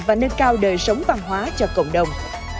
và nâng cao đời sống văn hóa cho cộng đồng